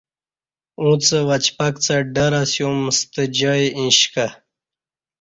اݩڅ وچپکڅہ ڈر اسیوم ستہ جائ ایݩش کہ